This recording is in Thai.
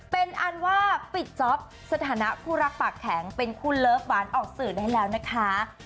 เป็นอันว่าปิดจ๊อปสถานะคู่รักปากแข็งเป็นคู่เลิฟหวานออกสื่อได้แล้วนะคะ